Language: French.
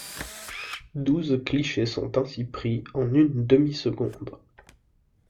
Douze clichés sont ainsi pris en une demi-seconde.